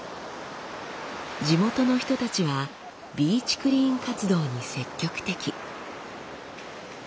地元の人たちはビーチクリーン活動に積極的。